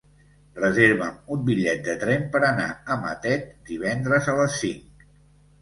Reserva'm un bitllet de tren per anar a Matet divendres a les cinc.